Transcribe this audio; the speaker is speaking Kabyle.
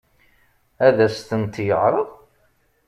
Ad as-tent-yeɛṛeḍ?